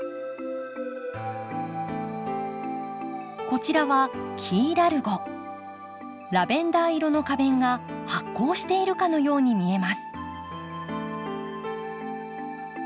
こちらはラベンダー色の花弁が発光しているかのように見えます。